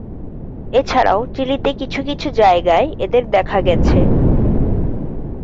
এছাড়াও চিলিতে কিছু কিছু জায়গায় এদের দেখা গেছে।